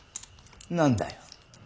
何だよ。